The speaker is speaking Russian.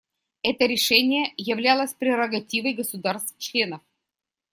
Это решение являлось прерогативой государств-членов.